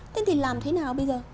thế thì làm thế nào bây giờ